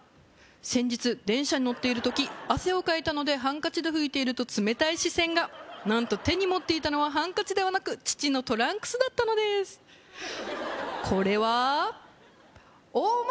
先日電車に乗っている時汗をかいたのでハンカチで拭いていると冷たい視線がなんと手に持っていたのはハンカチではなく父のトランクスだったのですこれはＯＨ！